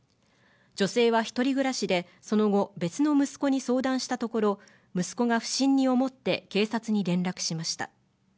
女性は一人暮らしで、その後、別の息子に相談したところ、息子が不審に思って警察に連絡しました。